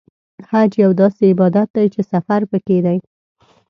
حج یو داسې عبادت دی چې سفر پکې دی.